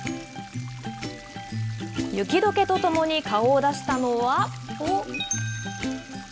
雪どけとともに顔を出したのは。